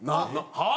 はあ？